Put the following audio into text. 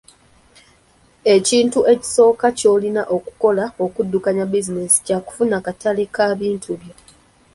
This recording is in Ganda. Ekintu ekisooka ky'olina okukola okuddukanya bizinensi kya kufuna katale ka bintu byo.